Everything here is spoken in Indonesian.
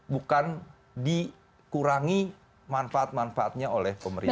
bukan dikurangi manfaat manfaatnya oleh pemerintah